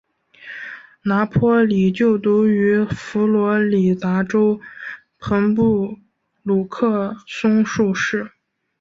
拿坡里就读于佛罗里达州朋布鲁克松树市。